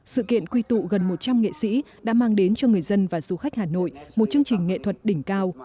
sự kiện quy tụ gần một trăm linh nghệ sĩ đã mang đến cho người dân và du khách hà nội một chương trình nghệ thuật đỉnh cao